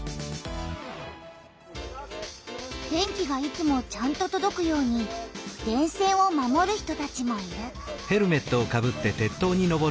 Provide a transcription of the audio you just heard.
電気がいつもちゃんととどくように「電線」を守る人たちもいる。